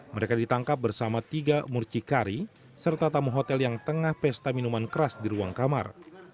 mereka ditangkap bersama tiga mucikari serta tamu hotel yang tengah pesta minuman keras di ruang kamar